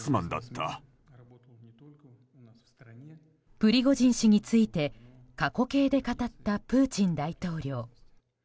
プリゴジン氏について過去形で語ったプーチン大統領。